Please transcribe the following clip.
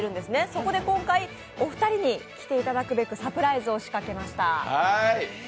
そこで今回、お二人に来ていただくべく、サプライズを仕掛けました。